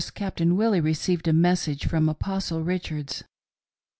Captain Willie received a message from the Apostle Richards.